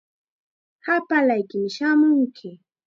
Hapallaykim shamunki.